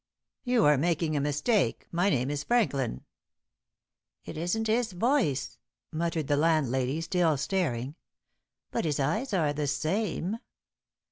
"You are making a mistake; my name is Franklin." "It isn't his voice," muttered the landlady, still staring; "but his eyes are the same."